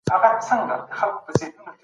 د هرات خلګو د پاچا سره څه ژمنه وکړه؟